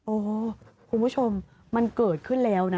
โอ้โหคุณผู้ชมมันเกิดขึ้นแล้วนะ